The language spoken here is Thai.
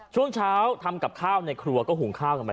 ช่วงเช้าทำกับข้าวในครัวก็หุงข้าวกันไป